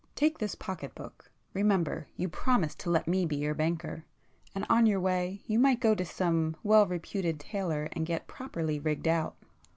Take this pocket book,—remember you promised to let me be your banker,—and on your way you might go to some well reputed tailor and get properly rigged out.